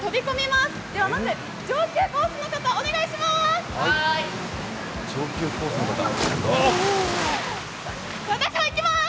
まず、上級コースの方、お願いします！